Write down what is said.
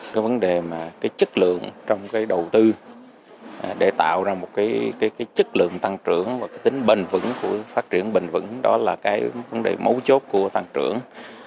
cái vấn đề mà cái chất lượng trong cái đầu tư để tạo ra một cái chất lượng tăng trưởng và cái tính bền vững của phát triển bình vững đó là cái vấn đề mấu chốt của tăng trưởng